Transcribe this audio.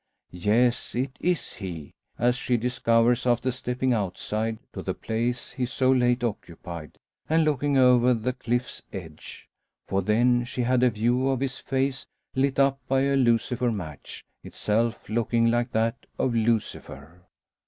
Yes, it is he; as she discovers, after stepping outside, to the place he so late occupied, and looking over the cliff's edge. For then she had a view of his face, lit up by a lucifer match itself looking like that of Lucifer!